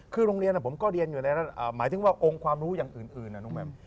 คือโรงเรียนผมก็เรียนอยู่แล้วหมายถึงว่าองค์ความรู้อย่างอื่นนะน้องแหม่ม